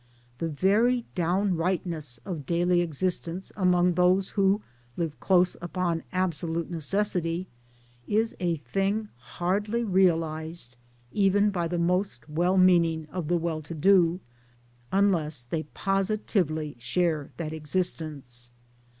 The very downrightness of daily existence among those who live close upon absolute necessity is a thing hardly realized even by the most well meaning of the well to do, unless they positively share that existence.